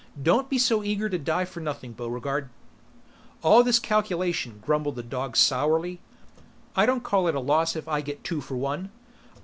"Don't be so eager to die for nothing, Buregarde." "All this calculation," grumbled the dog sourly. "I don't call it a loss if I get two for one."